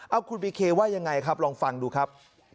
เอาคุณบีเคว่ายังไงครับลองฟังดูครับ